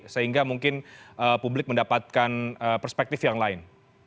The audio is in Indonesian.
sehingga mungkin publik mendapatkan perspektif yang lain